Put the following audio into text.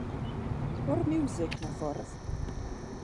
Rho'r miwsig 'na ffwrdd.